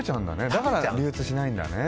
だから流通しないんだね。